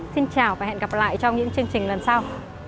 xin chào và hẹn gặp lại trong những chương trình lần sau